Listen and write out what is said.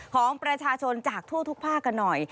ของประชาชนจากทั่วทุกภาคกันหน่อย